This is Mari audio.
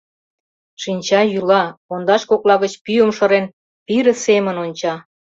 Шинча йӱла, пондаш кокла гыч пӱйым шырен, пире семын онча.